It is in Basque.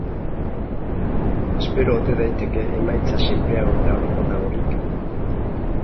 Espero ote daiteke emaitza sinpleago eta orokorragorik?